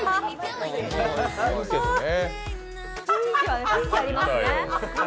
雰囲気はね、雰囲気ありますね。